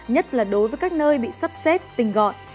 nhất là đối với các nơi bị sắp xếp tinh gọn